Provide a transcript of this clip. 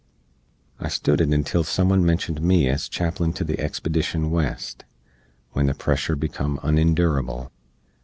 I stood it until some one mentioned me ez Chaplin to the expedition West, when the pressure becum unendurable.